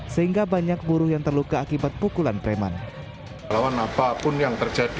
sehingga banyak buruh yang terluka akibat pukulan preman